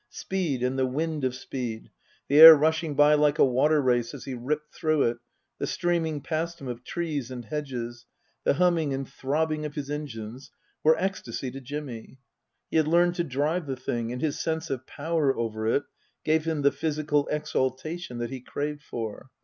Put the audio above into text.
Speed and the wind of speed, the air rushing by like a water race as he ripped through it, the streaming past him of trees and hedges, the humming and throbbing of his engines, were ecstasy to Jimmy. He had learned to drive the thing, and his sense of power over it gave him the physical exaltation that he craved for.